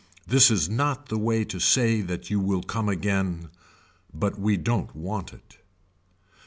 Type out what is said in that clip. This is not the way to say that you will come again. But we don't want it.